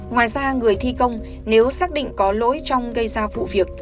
ngoài ra người thi công nếu xác định có lỗi trong gây ra vụ việc